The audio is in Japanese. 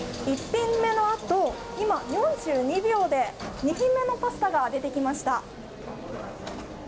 １品目の後今、４２秒で２品目のパスタが出てきました。